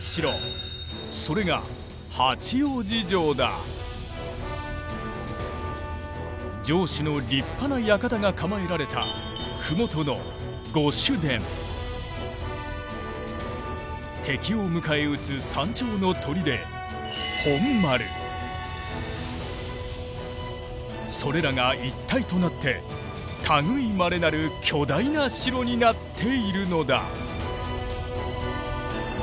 それが城主の立派な館が構えられた麓の敵を迎え撃つ山頂の砦それらが一体となって類いまれなる巨大な城になっているのだ。